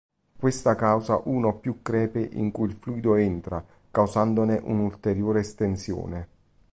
Questo causa una o più crepe in cui il fluido entra, causandone un'ulteriore estensione.